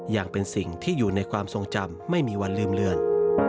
ยังเป็นสิ่งที่อยู่ในความทรงจำไม่มีวันลืมเลือน